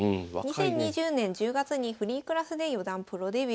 ２０２０年１０月にフリークラスで四段プロデビュー。